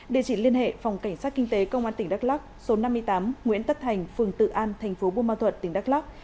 địa chỉ liên hệ phòng cảnh sát kinh tế công an tỉnh đắk lắk số năm mươi tám nguyễn tất thành phường tự an tp buôn ma thuật tỉnh đắk lắk